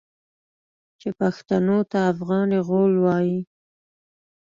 چې پښتنو ته افغان غول وايي.